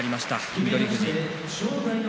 翠富士。